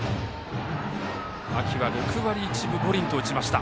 秋は６割１分５厘と打ちました。